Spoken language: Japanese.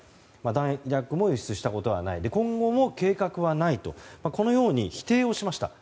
弾薬も輸出したことはない今後も計画はないとこのように否定をしました。